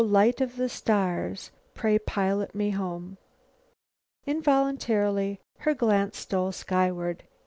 Light of the stars, Pray pilot me home." Involuntarily, her glance stole skyward.